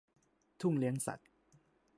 ทุ่งเลี้ยงสัตว์